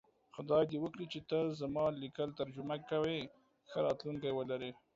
خدای دی وکړی چی ته زما لیکل ترجمه کوی ښه راتلونکی ولری